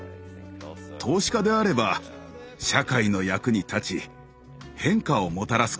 投資家であれば社会の役に立ち変化をもたらすことができます。